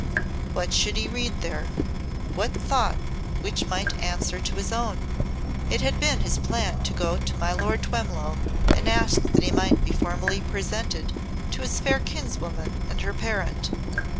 What should he read there what thought which might answer to his own? It had been his plan to go to my Lord Twemlow and ask that he might be formally presented to his fair kinswoman and her parent.